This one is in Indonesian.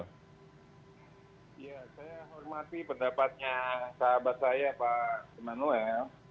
ya saya hormati pendapatnya sahabat saya pak emmanuel